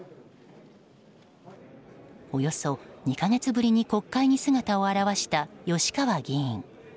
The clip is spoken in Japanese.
およそ２か月ぶりに国会に姿を現した吉川議員。